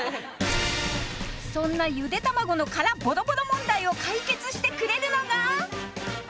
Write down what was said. そんなゆでたまごの殻ボロボロ問題を解決してくれるのが